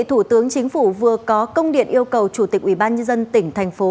thủ tướng chính phủ vừa có công điện yêu cầu chủ tịch ubnd tỉnh thành phố